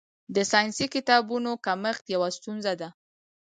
د ساینسي کتابونو کمښت یوه ستونزه ده.